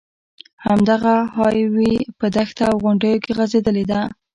همدغه های وې په دښته او غونډیو کې غځېدلې ده.